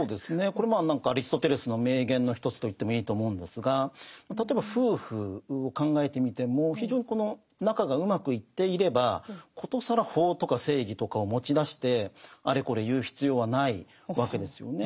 これもアリストテレスの名言の一つと言ってもいいと思うんですが例えば夫婦を考えてみても非常にこの仲がうまくいっていれば殊更法とか正義とかを持ち出してあれこれ言う必要はないわけですよね。